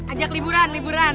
ajak liburan liburan